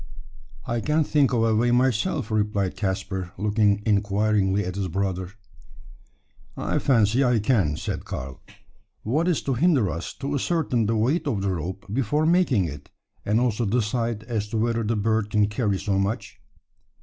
"I can't think of a way myself," replied Caspar, looking inquiringly at his brother. "I fancy I can," said Karl. "What is to hinder us to ascertain the weight of the rope before making it, and also decide as to whether the bird can carry so much?"